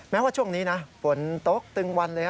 แม้ว่าช่วงนี้นะฝนตกตึงวันเลย